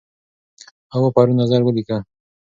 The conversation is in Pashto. هوا پرون نظر ولیکه.